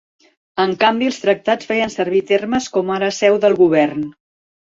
En canvi, els tractats feien servir termes com ara seu del govern.